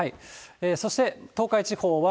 そして、東海地方は、